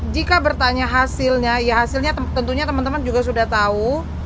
jika bertanya hasilnya ya hasilnya tentunya teman teman juga sudah tahu